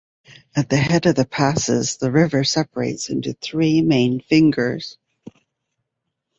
At the Head of Passes, the river separates into three main fingers.